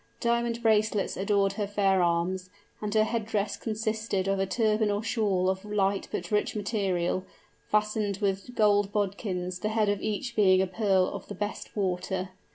Diamond bracelets adorned her fair arms; and her head dress consisted of a turban or shawl of light but rich material, fastened with golden bodkins, the head of each being a pearl of the best water.